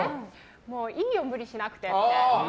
もういいよ、無理しなくてって。